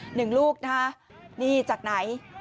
หนึ่งลูกนะคะนี่จากไหน